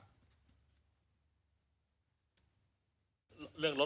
โครงการรถไฟฟ้าขนส่งมวลชนของจังหวัดเชียงใหม่